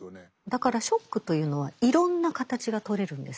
だからショックというのはいろんな形がとれるんですね。